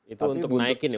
itu untuk naikin ya